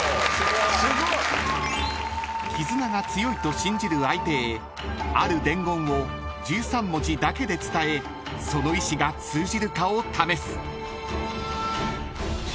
［絆が強いと信じる相手へある伝言を１３文字だけで伝えその意思が通じるかを試す］